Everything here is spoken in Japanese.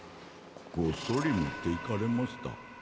ごっそりもっていかれました。